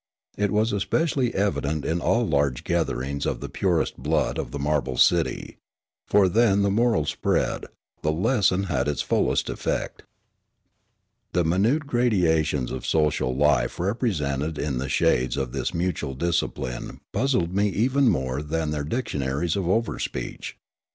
It was especially evident in all large gatherings of the purest blood of the marble city ; for then the moral spread, the lesson had its fullest eifect. The minute gradations of social life represented in the shades of this mutual discipline puzzled me even more than their dictionaries of overspeech.